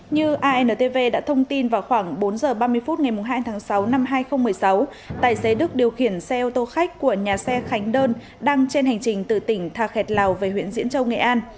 như antv đã thông tin vào khoảng bốn h ba mươi phút ngày hai tháng sáu năm hai nghìn một mươi sáu tài xế đức điều khiển xe ô tô khách của nhà xe khánh đơn đang trên hành trình từ tỉnh tha khẹt lào về huyện diễn châu nghệ an